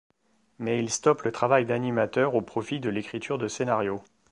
Mais il stoppe le travail d'animateur au profit de l'écriture de scénario.